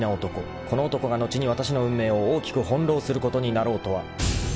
［この男が後にわたしの運命を大きく翻弄することになろうとは］